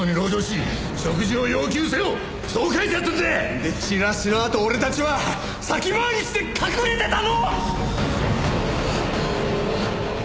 でチラシのあと俺たちは先回りして隠れてたの！